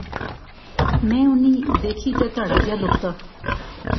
میں انیں دیکھی تہ ترہا جیا لختا